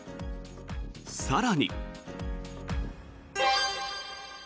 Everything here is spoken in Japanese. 更に。